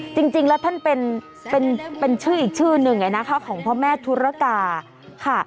จริงแล้วท่านเป็นชื่ออีกชื่อหนึ่งนะคะของพ่อแม่ธุรกาค่ะ